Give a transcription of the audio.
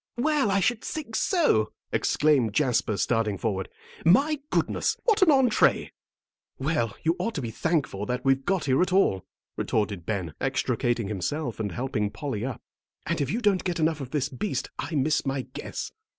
"Well, I should think so!" exclaimed Jasper, starting forward. "My goodness! What an entrée." "Well, you ought to be thankful that we've got here at all," retorted Ben, extricating himself and helping Polly up; "and if you don't get enough of this beast, I miss my guess."